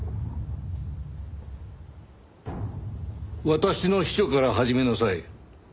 私の秘書から始めなさい。